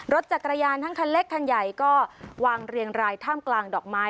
รถจักรยานทั้งคันเล็กคันใหญ่ก็วางเรียงรายท่ามกลางดอกไม้